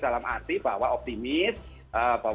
dalam arti kita bisa melakukan penanganan yang ada di masyarakat